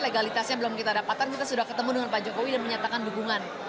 legalitasnya belum kita dapatkan kita sudah ketemu dengan pak jokowi dan menyatakan dukungan